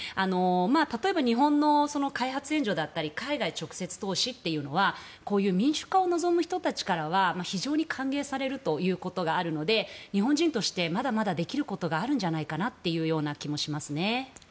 例えば日本の開発援助だったり海外直接投資というのはこういう民主化を望む人たちからは非常に歓迎されるということがあるので日本人としてまだまだできることがあるんじゃないかというような気がします。